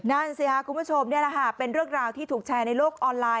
นั่นสิค่ะคุณผู้ชมเป็นเรื่องราวที่ถูกแชร์ในโลกออนไลน์